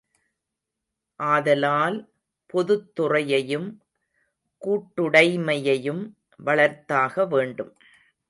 ஆதலால், பொதுத்துறையையும் கூட்டுடைமையையும் வளர்த்தாக வேண்டும்.